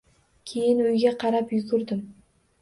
Keyin uyga qarab yugurdim